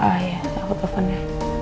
ah iya aku telepon ya